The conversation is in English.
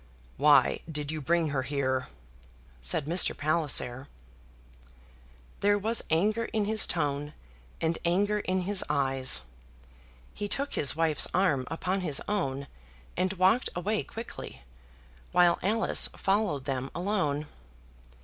"Why did you bring her here?" said Mr. Palliser. There was anger in his tone, and anger in his eye. He took his wife's arm upon his own, and walked away quickly, while Alice followed them alone.